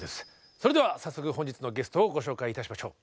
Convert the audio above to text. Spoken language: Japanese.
それでは早速本日のゲストをご紹介いたしましょう。